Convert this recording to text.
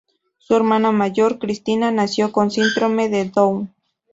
Su hermana mayor Cristina nació con Síndrome de Down.